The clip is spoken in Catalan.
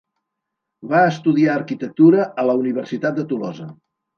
Va estudiar arquitectura a la Universitat de Tolosa.